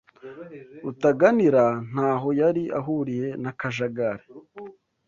Rutaganira ntaho yari ahuriye n'akajagari.